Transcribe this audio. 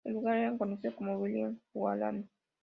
El lugar era conocido como Villa Guaraní.